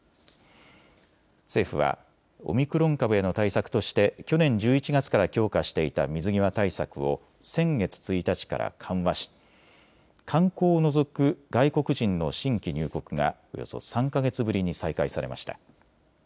政府はオミクロン株への対策として去年１１月から強化していた水際対策を先月１日から緩和し観光を除く外国人の新規入国がおよそ３か月ぶりに再開されました。